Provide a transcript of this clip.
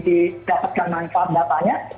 didapatkan manfaat datanya